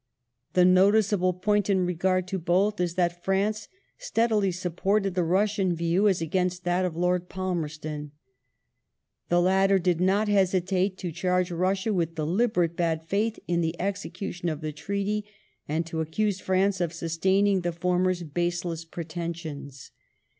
The noticeable point in regard to both is that France steadily supported the Russian view as against that of Lord Palmei ston. The latter did not hesitate to charge Russia with deliberate bad faith in the execution of the treaty, and to accuse France of sustaining the former's baseless pretensions.